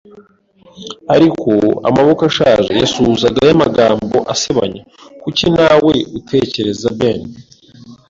Ariko amaboko ashaje yasuhuzaga aya magambo asebanya. “Kuki, ntawe utekereza Ben